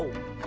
aku pengen tau